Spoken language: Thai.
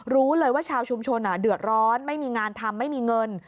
รู้เลยว่าชาวชุมชนเดือดร้อนไม่มีงานทำไม่มีเงิน